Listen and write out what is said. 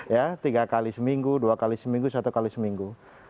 ya tiga kali seminggu dua kali seminggu satu kali seminggu